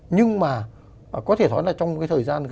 nhưng mà có thể nói là trong thời gian